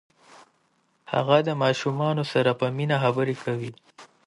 هغه د ماشومانو سره په مینه خبرې کوي.